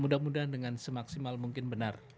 mudah mudahan dengan semaksimal mungkin benar